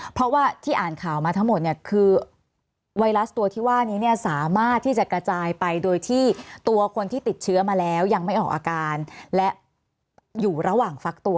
เพราะว่าที่อ่านข่าวมาทั้งหมดเนี่ยคือไวรัสตัวที่ว่านี้เนี่ยสามารถที่จะกระจายไปโดยที่ตัวคนที่ติดเชื้อมาแล้วยังไม่ออกอาการและอยู่ระหว่างฟักตัว